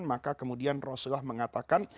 maka kemudian rasulullah mengatakan